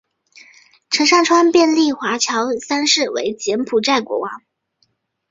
陈上川便立乔华三世为柬埔寨国王。